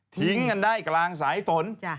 ทิ้งกันได้กลางสายฝน